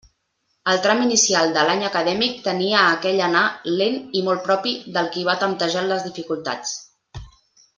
El tram inicial de l'any acadèmic tenia aquell anar lent i molt propi del qui va temptejant les dificultats.